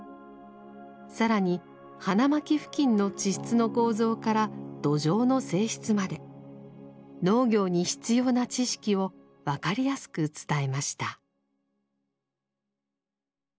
更に花巻付近の地質の構造から土壌の性質まで農業に必要な知識を分かりやすく伝えました。